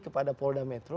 kepada polda metro